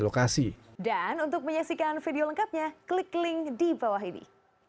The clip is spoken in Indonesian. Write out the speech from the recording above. lokasi dan untuk menyaksikan video lengkapnya klik link di bawah ini